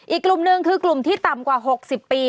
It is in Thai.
อีกกลุ่มหนึ่งคือกลุ่มที่ต่ำกว่า๖๐ปี